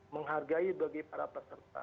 menghargai bagi para peserta